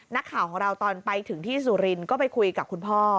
นักข่าวของเราตอนไปถึงที่สุรินทร์ก็ไปคุยกับคุณพ่อ